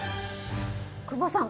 久保さん